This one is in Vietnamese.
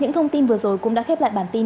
những thông tin vừa rồi cũng đã khép lại bản tin